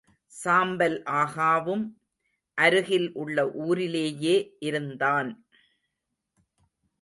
சாம்பல் ஆகாவும் அருகில் உள்ள ஊரிலேயே இருந்தான்.